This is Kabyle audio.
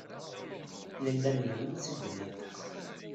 Nella nrennu-d seg ddemma-nteɣ.